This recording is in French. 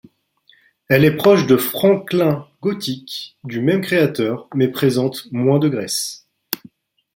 Elle est proche de Franklin Gothic, du même créateur, mais présente moins de graisse.